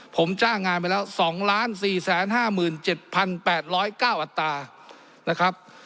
ผมจ้างงานไปแล้วสองล้านสี่แสนห้าหมื่นเจ็ดพันแปดร้อยเก้าอัตรานะครับ